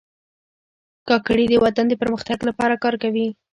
کاکړي د وطن د پرمختګ لپاره کار کوي.